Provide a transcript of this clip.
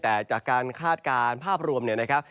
แต่จากการคาดการณ์ภาพรวมเนี่ยนะครับ